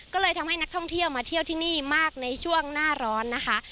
ก็เลยทำให้นักท่องเที่ยวมาเที่ยวที่นี่มากในช่วงหน้าร้อนนะคะ